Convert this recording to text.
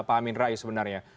pak amin rai sebenarnya